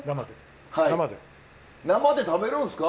生で食べるんすか？